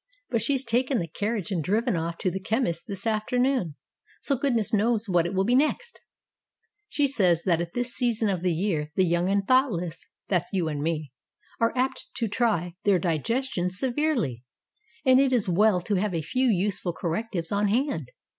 But she's taken the carriage and driven off to the chemist's this afternoon, so good ness knows what it will be next. She says that at this season of the year the young and thoughtless (that's you and me) are apt to try their digestions severely, and it is as well to have a few useful correctives on hand.